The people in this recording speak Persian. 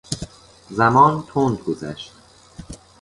زمان تند گذشت.